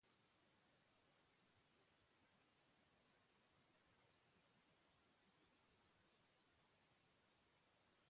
Operazio berean hiru ibilgailu ere atzeman dituzte, horietako bi gama altukoak.